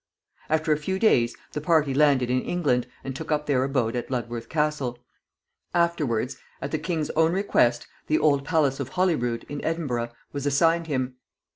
After a few days the party landed in England and took up their abode at Ludworth Castle. Afterwards, at the king's own request, the old Palace of Holyrood, in Edinburgh, was assigned him.